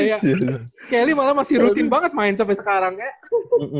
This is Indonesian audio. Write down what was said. kelly malah masih rutin banget main sampe sekarang ya